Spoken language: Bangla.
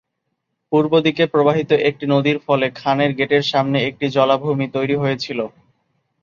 পূর্ব দিকে প্রবাহিত একটি নদীর ফলে "খানের" গেটের সামনে একটি জলাভূমি তৈরি হয়েছিল।